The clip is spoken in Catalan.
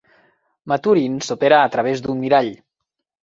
Maturin s'opera a través d'un mirall.